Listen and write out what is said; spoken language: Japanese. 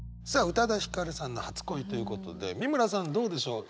宇多田ヒカルさんの「初恋」ということで美村さんどうでしょう？